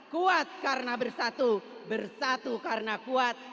kuat karena bersatu bersatu karena kuat